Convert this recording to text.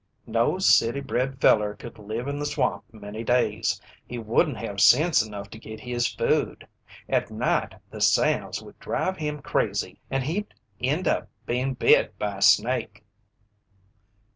"No city bred feller could live in the swamp many days. He wouldn't have sense enough to git his food; at night the sounds would drive him crazy, and he'd end up bein' bit by a snake."